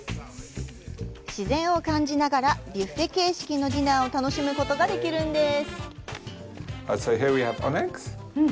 自然を感じながら、ブュッフェ形式のディナーを楽しむことが出来るんです。